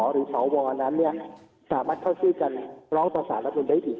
หรือส่อวัวนั้ไม่สามารถเข้าสู้กันล้องตัวสารได้อีกเรื่อง